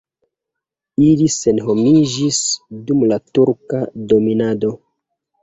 Ili senhomiĝis dum la turka dominado.